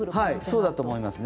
そうだと思います。